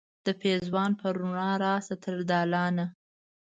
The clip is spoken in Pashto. د پیزوان په روڼا راشه تر دالانه